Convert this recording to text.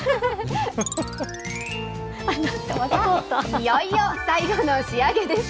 いよいよ最後の仕上げです。